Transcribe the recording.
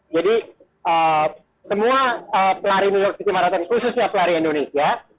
jadi semua pelari new york city marathon khususnya pelari indonesia